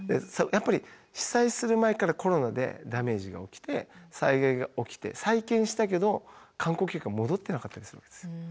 やっぱり被災する前からコロナでダメージが起きて災害が起きて再建したけど観光客が戻ってなかったりするわけですよ。